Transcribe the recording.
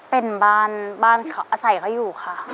เป็นบ้านบ้านเขาอาศัยเขาอยู่ค่ะ